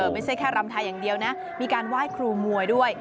ไม่ใช่แค่รำไทยอย่างเดียวนะมีการไหว้ครูมวยด้วย